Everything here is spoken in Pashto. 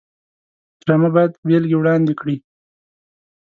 ډرامه باید بېلګې وړاندې کړي